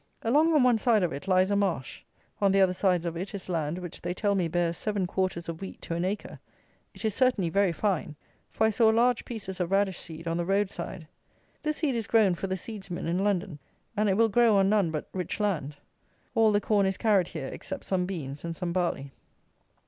Along on one side of it, lies a marsh. On the other sides of it is land which they tell me bears seven quarters of wheat to an acre. It is certainly very fine; for I saw large pieces of radish seed on the road side; this seed is grown for the seedsmen in London; and it will grow on none but rich land. All the corn is carried here except some beans and some barley.